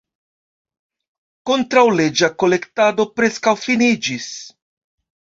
Kontraŭleĝa kolektado preskaŭ finiĝis.